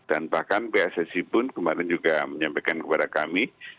dan bahkan pssi pun kemarin juga menyampaikan kepada kami